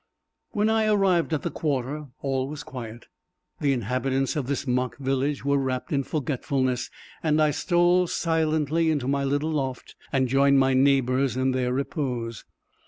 When I arrived at the quarter, all was quiet. The inhabitants of this mock village were wrapped in forgetfulness; and I stole silently into my little loft and joined my neighbors in their repose.